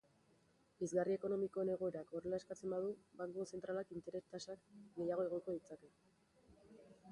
Pizgarri ekonomikoen egoerak horrela eskatzen badu, banku zentralak interes-tasak gehiago igoko ditzake.